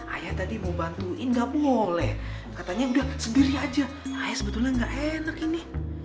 ayah tadi mau bantuin nggak boleh katanya udah sendiri aja sebetulnya enak ini